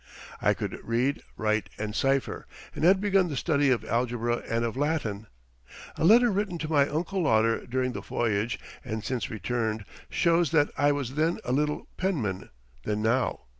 I could read, write, and cipher, and had begun the study of algebra and of Latin. A letter written to my Uncle Lauder during the voyage, and since returned, shows that I was then a better penman than now.